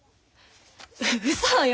ううそよ。